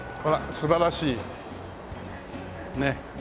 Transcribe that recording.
素晴らしいねっ。